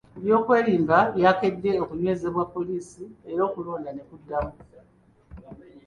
Ebyokwerinda byakedde kunywezebwa poliisi era okulonda ne kuddamu.